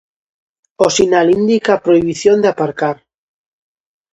O sinal indica a prohibición de aparcar.